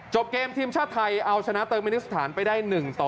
เกมทีมชาติไทยเอาชนะเติมมินิสถานไปได้๑ต่อ